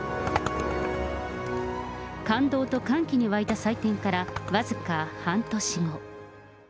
感動と歓喜に沸いた祭典から僅か半年後。